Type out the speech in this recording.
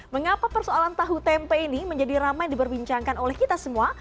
mengapa persoalan tahu tempe ini menjadi ramai diperbincangkan oleh kita semua